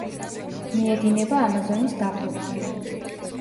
მიედინება ამაზონის დაბლობზე.